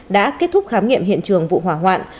đã kết thúc khám nghiệm hiện trường vụ hỏa hoạn